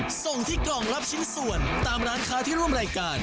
ก็ที่เดี๋ยวรอช้าไปดูกติกา